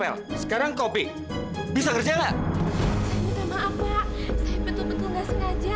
lalu pak jos